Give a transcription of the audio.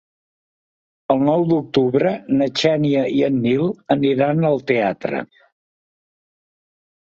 El nou d'octubre na Xènia i en Nil aniran al teatre.